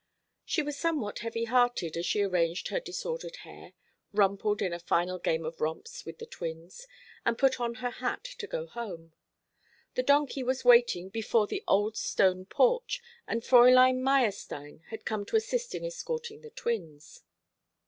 She was somewhat heavy hearted as she arranged her disordered hair rumpled in a final game of romps with the twins and put on her hat to go home. The donkey was waiting before the old stone porch, and Fräulein Meyerstein had come to assist in escorting the twins.